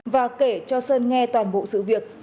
và kể cho sơn nghe toàn bộ sự việc